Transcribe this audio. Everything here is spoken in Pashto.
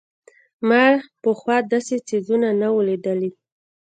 ما پخوا داسې څيزونه نه وو لېدلي.